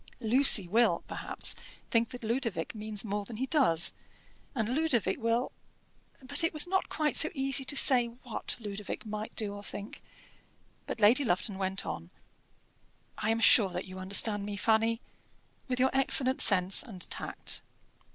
Lucy will, perhaps, think that Ludovic means more than he does, and Ludovic will " But it was not quite so easy to say what Ludovic might do or think; but Lady Lufton went on: "I am sure that you understand me, Fanny, with your excellent sense and tact.